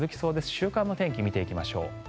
週間の天気を見ていきましょう。